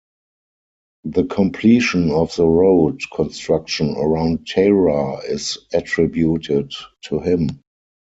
The completion of the road construction around Tara is attributed to him.